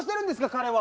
彼は。